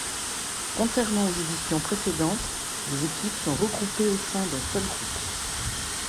Contrairement au éditions précédentes, les équipes sont regroupés au sein d'un seul groupe.